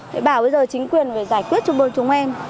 bảo bây giờ chính quyền phải giải quyết cho chúng em